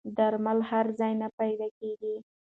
درمل هر ځای نه پیدا کېږي.